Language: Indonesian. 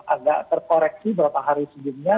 agak terkoreksi berapa hari segini ya